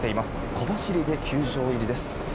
小走りで球場入りです。